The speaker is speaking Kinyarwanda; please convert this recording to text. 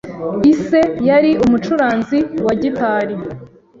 Ise yari umucuranzi wa gitari